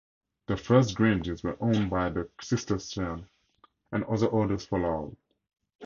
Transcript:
The first granges were owned by the Cistercians and other orders followed.